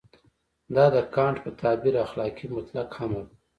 دا د کانټ په تعبیر اخلاقي مطلق امر دی.